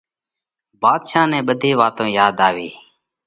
ڀاڌشا نئہ ٻڌي واتون ياڌ آوي